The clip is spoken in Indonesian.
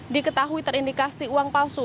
diketahui terindikasi uang palsu